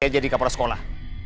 jadi kapal sekolah